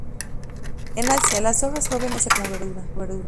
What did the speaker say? En Asia, las hojas jóvenes se cocinan como verdura.